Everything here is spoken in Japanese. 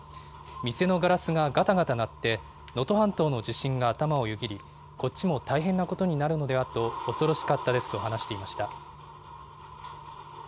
店のガラスががたがた鳴って、能登半島の地震が頭をよぎり、こっちも大変なことになるのではと恐ろしかったですと話していました。